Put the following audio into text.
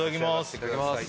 いただきます